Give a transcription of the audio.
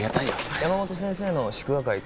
山本先生の祝賀会行く？